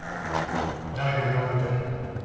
だいぶ弱ってる。